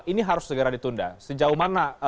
ini harus segera ditunda sejauh mana